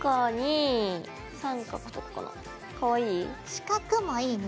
四角もいいね。